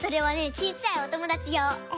ちいちゃいおともだちよう。